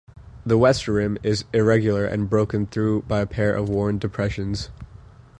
The west rim is irregular and broken through by a pair of worn depressions.